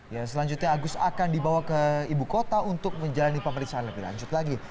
ya selanjutnya agus akan dibawa ke ibu kota untuk menjalani pemeriksaan lebih lanjut lagi